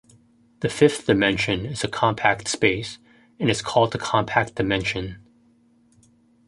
The fifth dimension is a compact space, and is called the compact dimension.